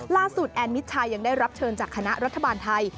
ล่าสุดแอนมิดชัยยังได้รับเชิญจากคณะรัฐบาลไทย